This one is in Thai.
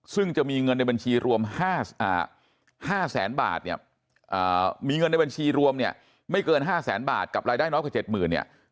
ซึ่งจะมีเงินในบัญชีรวม๕แสนบาทเนี่ยมีเงินในบัญชีรวมเนี่ยไม่เกิน๕แสนบาทกับรายได้น้อยกว่า๗๐๐เนี่ย